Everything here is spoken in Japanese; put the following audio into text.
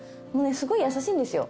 すごい優しいんですよ。